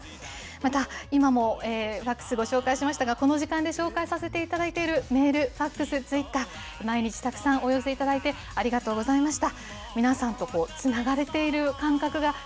また、今もファックスご紹介しましたが、この時間で紹介させていただいているメール、ファックス、ツイッター、毎日たくさんお寄せいただいて、ありがとうございました。